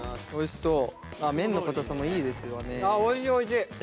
あっおいしいおいしい。